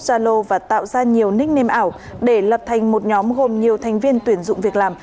zalo và tạo ra nhiều nicknam ảo để lập thành một nhóm gồm nhiều thành viên tuyển dụng việc làm